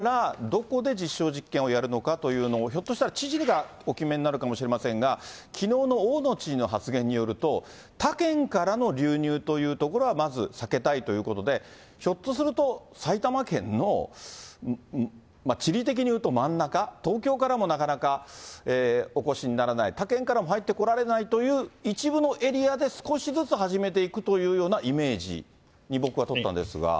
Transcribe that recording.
これはひょっとしたらこれ手嶋さん、各知事が感染状況を見ながら、どこで実証実験をやるのかというのを、ひょっとしたら知事がお決めになるかもしれませんが、きのうの大野知事の発言によると、他県からの流入というところは、まず避けたいということで、ひょっとすると埼玉県の、地理的にいうと真ん中、東京からもなかなかお越しにならない、他県からも入ってこれないという、一部のエリアで、少しずつ始めていくというようなイメージに僕は取ったんですが。